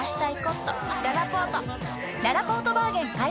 ららぽーとバーゲン開催！